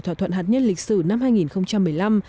thỏa thuận hạt nhân lịch sử năm hai nghìn một mươi năm